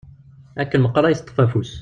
Akken meqqar ad yi-teṭṭef afus.